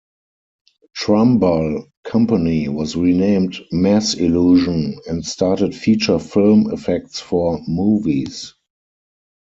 Trumbull Company was renamed Mass Illusion and started feature film effects for movies.